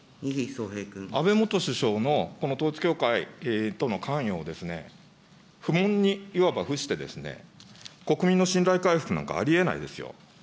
安倍元首相の、この統一教会との関与を不問に、いわば付して、国民の信頼回復なんかありえないですよ。